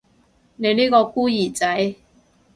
你呢個孤兒仔